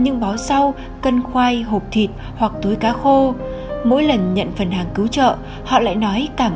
nhưng bó sau cân khoai hộp thịt hoặc túi cá khô mỗi lần nhận phần hàng cứu trợ họ lại nói cảm